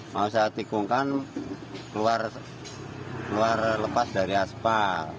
mau saya tikungkan keluar lepas dari aspal